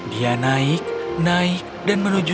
dia naik naik dan menuju